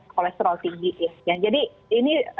kolesterol tinggi jadi ini